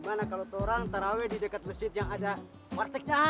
mana kalau orang orang di dekat lecet yang ada